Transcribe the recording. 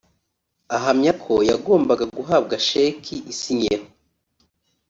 Ahamya ko yagombaga guhabwa sheki isinyeho